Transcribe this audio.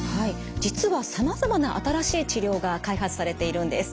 実はさまざまな新しい治療が開発されているんです。